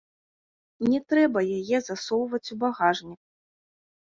Не трэба яе засоўваць у багажнік.